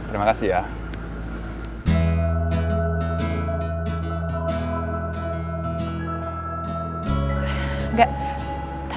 terima kasih ya